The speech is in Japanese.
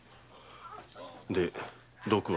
で毒は？